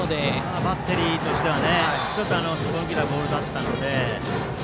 バッテリーとしてはすっぽ抜けたボールだったので。